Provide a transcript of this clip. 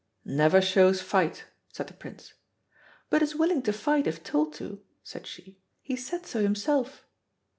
'" "Never shows fight," said the Prince. "But is willing to fight if told to," said she. "He said so himself."